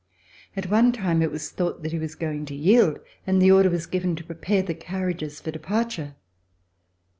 At one time it was thought that he was going to yield, and the order was given to prepare the carriages for de parture.